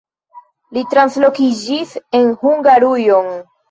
Li translokiĝis en Hungarujon.